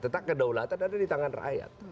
tentang kedaulatan ada di tangan rakyat